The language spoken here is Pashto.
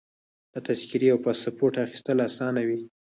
د تذکرې او پاسپورټ اخیستل اسانه وي.